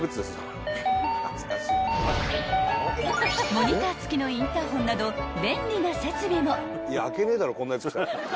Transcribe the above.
［モニター付きのインターホンなど便利な設備も］